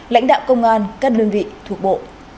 lãnh đạo công an các lương vị thuộc bộ